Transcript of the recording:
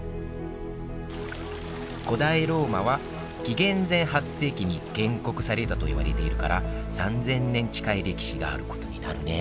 古代ローマは紀元前８世紀に建国されたといわれているから３，０００年近い歴史があることになるね